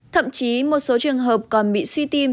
thậm chí một số trường hợp còn bị suy tim